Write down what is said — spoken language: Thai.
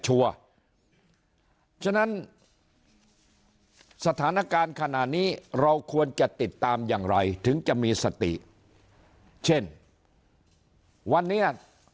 ฉะนั้นสถานการณ์ขณะนี้เราควรจะติดตามอย่างไรถึงจะมีสติเช่นวันนี้